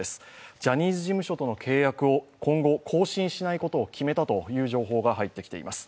ジャニーズ事務所との契約を今後、更新しないことを決めたという情報が入ってきています。